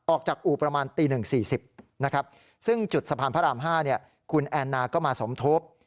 อู่ประมาณตี๑๔๐นะครับซึ่งจุดสะพานพระราม๕คุณแอนนาก็มาสมทบ